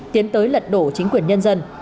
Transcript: tiến tới lật đổ chính quyền nhân dân